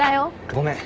ごめん。